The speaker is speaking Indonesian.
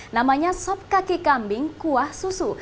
namanya sop kaki kambing kuah susu